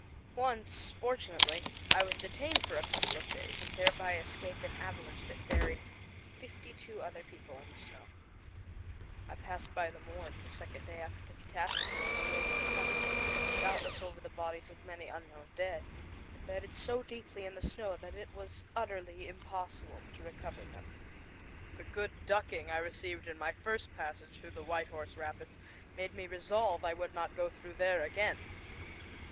Once, fortunately, I was detained for a couple of days, and thereby escaped an avalanche that buried fifty two other people in the snow. I passed by the morgue the second day after the catastrophe on my way to the summit, doubtless over the bodies of many unknown dead, embedded so deeply in the snow that it was utterly impossible to recover them. The good ducking I received in my first passage through the White Horse Rapids made me resolve I would not go through there again.